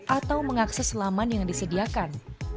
atau mengakses laman yang disediakan